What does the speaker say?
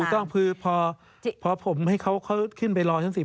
ถูกต้องคือพอผมให้เขาขึ้นไปรอชั้น๑๐